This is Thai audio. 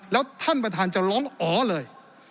แล้วท่านประธานจะร้องอ๋อเลย